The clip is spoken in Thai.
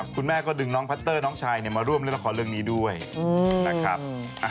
คุณแม่ก็ดึงน้องพัตเตอร์น้องชายมาร่วมเล่นละครเรื่องนี้ด้วยนะครับ